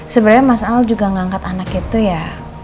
sebenarnya mas al juga ngangkat anak itu ya